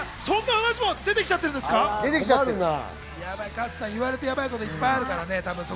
加藤さん、やばいこといっぱいあるからね。